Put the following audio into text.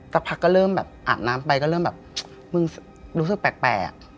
สักพักก็เริ่มแบบอาบน้ำไปก็เริ่มแบบมึงรู้สึกแปลก